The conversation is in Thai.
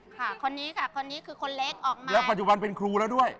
ค่ะคนนี้ค่ะคนนี้คือคนเล็กออกมาแล้วปัจจุบันเป็นครูแล้วด้วย